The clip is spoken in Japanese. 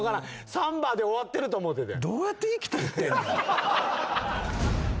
「サンバ」で終わってると思っててん。